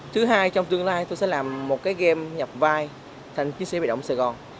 thứ hai trong tương lai tôi sẽ làm một game nhập vai thành chiến sĩ bài động sài gòn